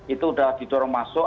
itu sudah didorong masuk